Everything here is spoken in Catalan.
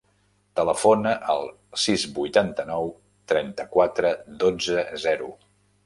Telefona al sis, vuitanta-nou, trenta-quatre, dotze, zero.